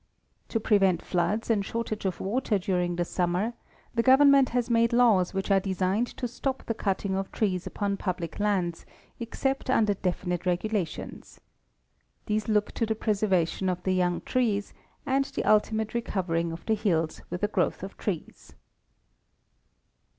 To prevent floods and shortage of water during the summer, the government has made laws which io8 are designed to stop the cutting of trees upon public lands except under definite regulations. These look to the preservation of the young trees and the ultimate recovering of the hills with a growth of trees.